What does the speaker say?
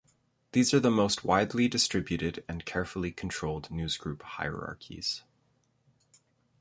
These are the most widely distributed and carefully controlled newsgroup hierarchies.